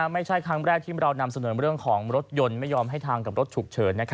ไม่ใช่ครั้งแรกที่เรานำเสนอเรื่องของรถยนต์ไม่ยอมให้ทางกับรถฉุกเฉิน